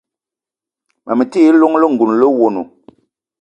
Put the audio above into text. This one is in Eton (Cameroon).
Ma me ti yi llong lengouna le owono.